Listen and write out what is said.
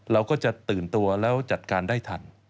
เราก็จะตื่นตัวแล้วจัดการได้ทัน